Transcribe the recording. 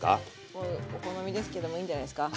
もうお好みですけどもういいんじゃないですか。